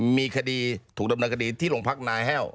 มีคดีถูกดำเนาะคดีที่หลวงพรรคนายแห้ว